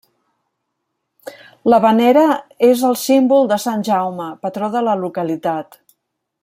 La venera és el símbol de Sant Jaume, patró de la localitat.